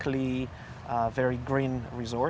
dan sangat berwarna hijau